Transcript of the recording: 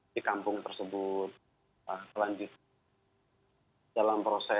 di kampung tersebut selanjutnya